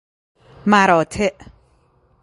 مراتع